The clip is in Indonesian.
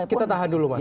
kita tahan dulu mas